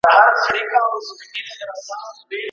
شیخ یې خوله غوږ ته نیژدې کړه چي واکمنه